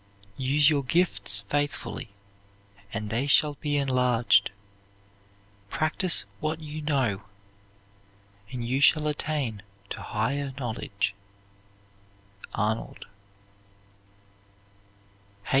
Use your gifts faithfully, and they shall be enlarged; practise what you know, and you shall attain to higher knowledge. ARNOLD.